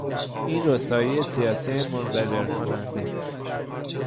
این رسوایی سیاسی منزجر کننده